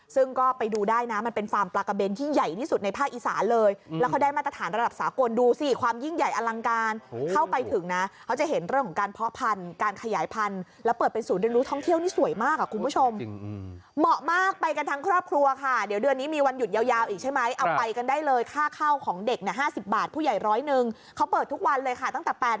ซึ่งก็ไปดูได้นะมันเป็นฟาร์มปลากระเบนที่ใหญ่ที่สุดในภาคอีสาเลยแล้วเขาได้มาตรฐานระดับสากลดูสิความยิ่งใหญ่อลังการเข้าไปถึงนะเขาจะเห็นเรื่องของการเพาะพันการขยายพันแล้วเปิดเป็นศูนย์เรือนรู้ท่องเที่ยวนี่สวยมากคุณผู้ชมเหมาะมากไปกันทั้งครอบครัวค่ะเดี๋ยวเดือนนี้มีวันหยุดยาวอีกใช่ไหมเอา